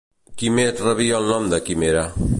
Qui més rebia el nom de Quimera?